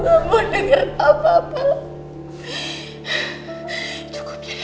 aku pengen ber photo